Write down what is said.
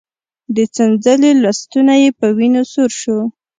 د څنځلې لستوڼی يې په وينو سور شو.